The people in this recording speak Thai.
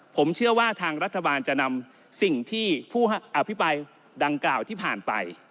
ผมเชื่อว่าทางรัฐบาลจะนำสิ่งที่ผู้อภิปรายดังกล่าวที่ผ่านไป